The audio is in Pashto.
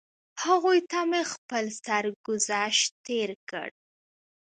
هغوی ته مې خپل سرګذشت تېر کړ.